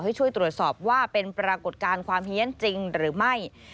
ให้ช่วยตรวจสอบว่าเป็นปรากฏการณ์ความเฮียนจริงหรือไม่